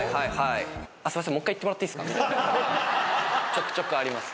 ちょくちょくあります。